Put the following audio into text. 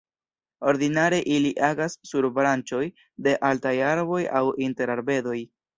Ordinare ili agas sur branĉoj de altaj arboj aŭ inter arbedoj.